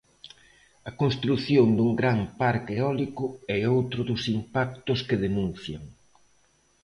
A construción dun gran parque eólico é outro dos impactos que denuncian.